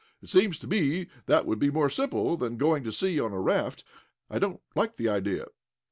It seems to me that would be more simple than going to sea on a raft. I don't like the idea."